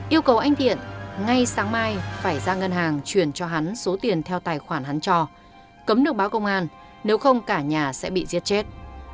yêu cầu anh thiện ngay sáng mai phải ra ngân hàng chuyển cho hắn số tiền theo tài khoản hắn cho cấm được báo công an nếu không cả nhà sẽ bị giết chết